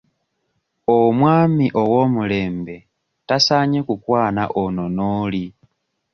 Omwami ow'omulembe tasaanye kukwana ono n'oli.